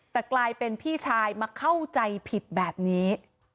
แต่กลายเป็นพี่ชายมาเข้าใจผิดแบบนี้